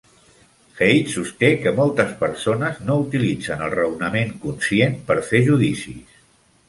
Haidt sosté que moltes persones no utilitzen el raonament conscient per fer judicis.